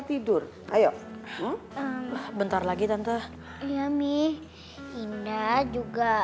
tinggal gini saja